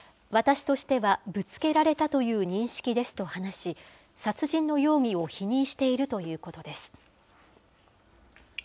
私としてはぶつけられたという認識ですと話し、殺人の容疑を否認しているということです。